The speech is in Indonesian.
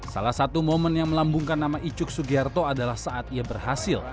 salah satu momen yang melambungkan nama icuk sugiharto adalah saat ia berhasil